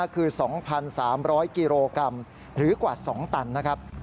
คือ๒๓๐๐กิโลกรัมหรือกว่า๒ตันนะครับ